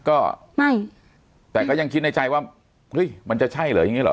ก็ไม่แต่ก็ยังคิดในใจว่าเฮ้ยมันจะใช่เหรออย่างนี้เหรอ